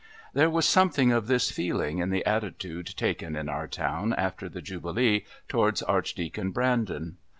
There was something of this feeling in the attitude taken in our town after the Jubilee towards Archdeacon Brandon.